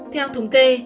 theo thống kê